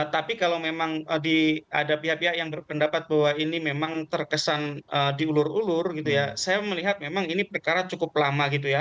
tapi kalau memang ada pihak pihak yang berpendapat bahwa ini memang terkesan diulur ulur gitu ya saya melihat memang ini perkara cukup lama gitu ya